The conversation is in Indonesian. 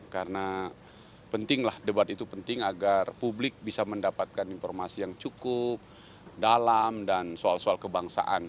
karena pentinglah debat itu penting agar publik bisa mendapatkan informasi yang cukup dalam dan soal soal kebangsaan